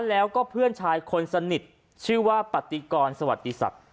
แล้วก็เพื่อนชายคนสนิทชื่อว่าปฏิกรสวัสดิศักดิ์